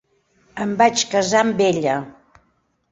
Em vaig casar amb ella.